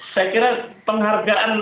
saya kira penghargaan